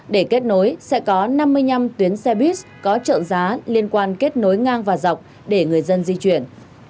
để kết nối sẽ có năm mươi năm tuyến xe buýt có trợ giá liên quan kết nối ngang và dọc để người dân di chuyển